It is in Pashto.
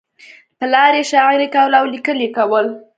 پلار یې شاعري کوله او لیکل یې کول